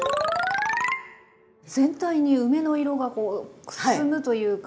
全体に梅の色がくすむというか。